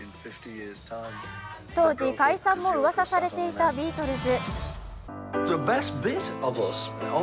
当時、解散もうわさされていたビートルズ。